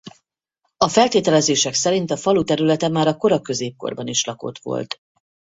A feltételezések szerint a falu területe már a kora középkorban is lakott volt.